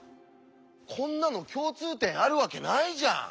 こんなの共通点あるわけないじゃん！